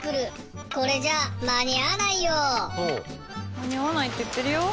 間に合わないって言ってるよ。